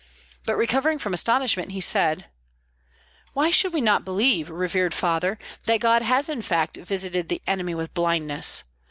But recovering from astonishment, he said, "Why should we not believe, revered father, that God has in fact visited the enemy with blindness?